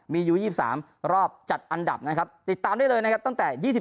มีอยู่๒๓รอบจัดอันดับนะครับติดตามได้เลยนะครับตั้งแต่๒๓